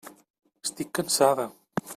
Estic cansada.